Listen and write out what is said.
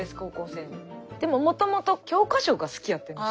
でももともと教科書が好きやってんです